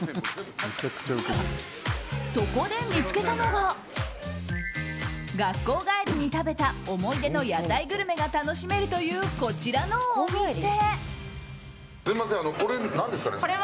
そこで見つけたのが学校帰りに食べた思い出の屋台グルメが楽しめるという、こちらのお店。